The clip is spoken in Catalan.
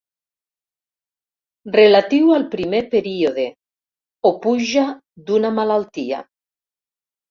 Relatiu al primer període o puja d'una malaltia.